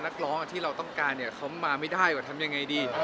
นักร้องที่เราต้องการเนี่ยเขามาไม่ได้ว่าทำยังไงดี